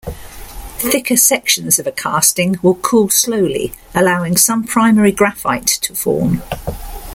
Thicker sections of a casting will cool slowly, allowing some primary graphite to form.